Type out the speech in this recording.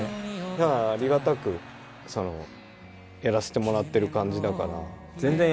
だからありがたくそのやらせてもらってる感じだから。